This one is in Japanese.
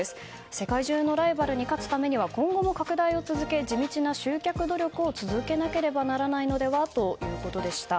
世界中のライバルに勝つためには今後も拡大を続け地道な集客努力を続けなければならないのではという話でした。